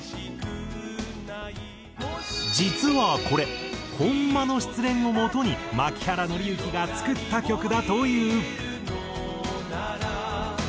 実はこれ本間の失恋をもとに槇原敬之が作った曲だという。